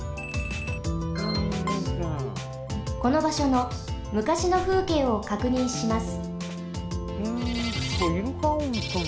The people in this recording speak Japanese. このばしょの昔のふうけいをかくにんします。